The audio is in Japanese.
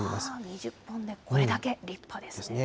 ２０本でこれだけ、立派ですね。ですね。